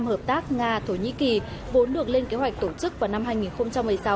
hợp tác nga thổ nhĩ kỳ vốn được lên kế hoạch tổ chức vào năm hai nghìn một mươi sáu